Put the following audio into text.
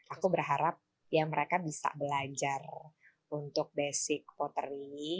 aku berharap ya mereka bisa belajar untuk basic pottery